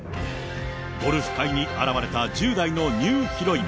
ゴルフ界に現れた１０代のニューヒロイン。